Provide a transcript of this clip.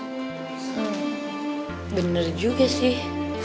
hmm bener juga sih